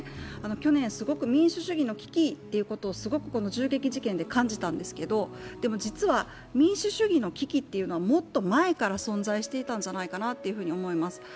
去年、すごく民主主義の危機というのをこの銃撃事件で感じたんですけどでも実は、民主主義の危機はもっと前から存在していたんじゃないかなと思います。